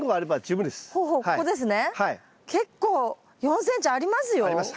結構４ｃｍありますよ。あります。